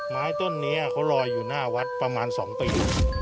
ไม้ต้นนี้เขาลอยอยู่หน้าวัดประมาณ๒ปี